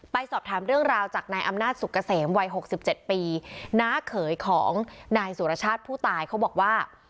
สอบถามเรื่องราวจากนายอำนาจสุกเกษมวัย๖๗ปีน้าเขยของนายสุรชาติผู้ตายเขาบอกว่า